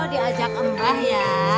oh diajak embah ya